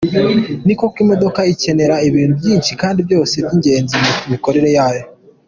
Ni koko, imodoka ikenera ibintu byinshi kandi byose by’ingenzi mu mikorere yayo.